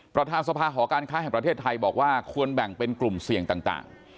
ประธานสภาหอการค้าแห่งประเทศไทยบอกว่าควรแบ่งเป็นกลุ่มเสี่ยงต่าง